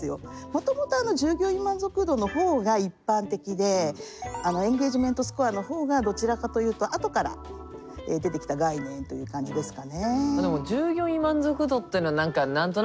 もともと従業員満足度の方が一般的でエンゲージメントスコアの方がどちらかというとあとから出てきた概念という感じですかね。